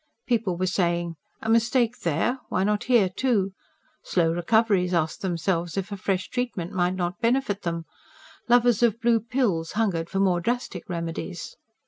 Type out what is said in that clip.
People were saying: a mistake there, why not here, too? Slow recoveries asked themselves if a fresh treatment might not benefit them; lovers of blue pills hungered for more drastic remedies.